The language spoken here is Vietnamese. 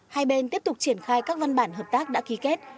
hai bên tiếp tục triển khai các văn bản hợp tác đã ký kết